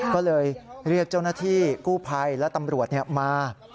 ก็เลยเรียกเจ้าหน้าที่กู้ภัยและตำรวจมา